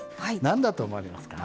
何だと思われますか？